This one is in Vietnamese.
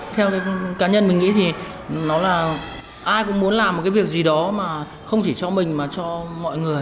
theo cá nhân mình nghĩ thì nó là ai cũng muốn làm một cái việc gì đó mà không chỉ cho mình mà cho mọi người